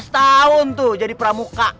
lima belas tahun tuh jadi pramuka